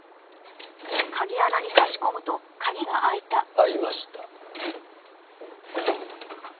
合いました。